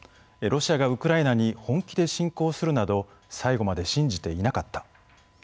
ロシアがウクライナに本気で侵攻するなど最後まで信じていなかった」。